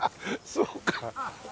そうか。